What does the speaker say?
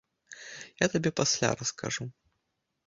Я табе пасля раскажу.